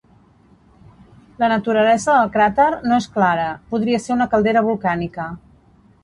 La naturalesa del cràter no és clara: podria ser una caldera volcànica.